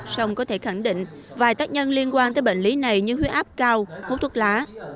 song có thể khẳng định vài tác nhân liên quan tới bệnh lý này như huyết áp cao hút thuốc lá